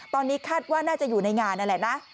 ตอนนี้คาดว่าน่าจะอยู่ในงานนั่นแหละนะ